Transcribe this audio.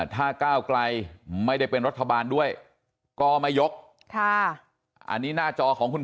ถ้าก้าวไกลไม่ได้เป็นรัฐบาลด้วยก็ไม่ยกอันนี้หน้าจอของคุณ